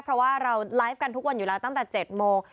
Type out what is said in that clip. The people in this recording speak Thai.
เพราะว่าเราไลฟ์กันทุกวันอยู่แล้วตั้งแต่๗โมง